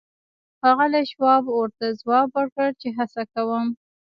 ښاغلي شواب ورته ځواب ورکړ چې هڅه کوم